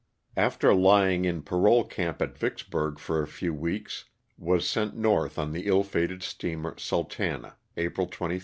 After lying in '* parole camp " at Vicksburg for a few weeks was sent north on the ill fated steamer " Sultana," April 25,1865.